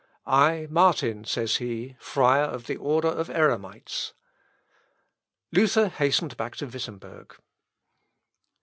"I, Martin," says he, "friar of the order of Eremites." Luther hastened back to Wittemberg.